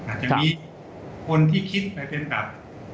อาจจะมีคนที่คิดไปเป็นแบบ